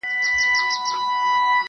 نه یې ژبه له غیبته ستړې کیږي -